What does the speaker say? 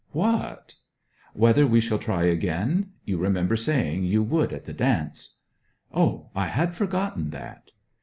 'What?' 'Whether we shall try again; you remember saying you would at the dance?' 'Oh, I had forgotten that!'